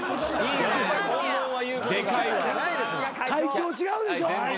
会長違うでしょ？